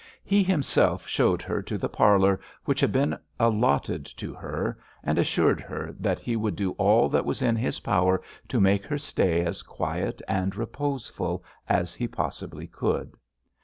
He himself showed her to the parlour which had been allotted to her, and assured her that he would do all that was in his power to make her stay as quiet and reposeful as he possibly could.